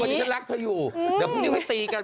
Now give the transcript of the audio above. วันนี้ฉันรักเธออยู่เดี๋ยวพรุ่งนี้ไปตีกัน